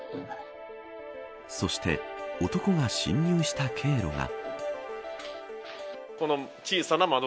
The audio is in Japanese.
そして、男が侵入した経路が。